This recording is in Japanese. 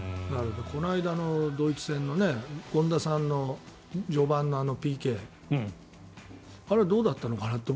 この間のドイツ戦の権田さんの序盤のＰＫあれはどうだったのかなって